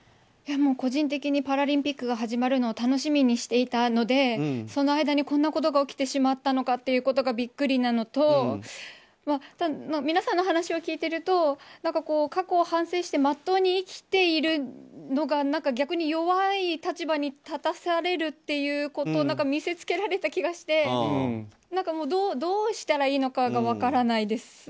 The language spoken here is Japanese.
個人的にパラリンピックが始まるのを楽しみにしていたのでその間にこんなことが起きてしまったのかということにビックリなのと皆さんの話を聞いてると何か、過去を反省してまっとうに生きているのが逆に弱い立場に立たされるということを見せつけられた気がしてどうしたらいいのかが分からないです。